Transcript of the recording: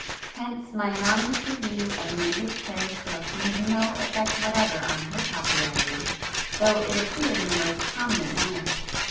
Hence, my anonymous review of Mavis Clare's book made no effect whatever on her popularity, though it appeared in the most prominent manner.